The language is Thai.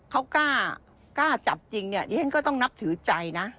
เขากล้าจับจริงเนี่ยดิฉันก็ต้องนับถือใจนะ